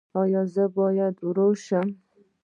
ایا زه باید ورور شم؟